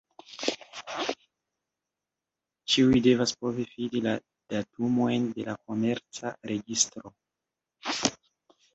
Ĉiuj devas povi fidi la datumojn de la Komerca registro.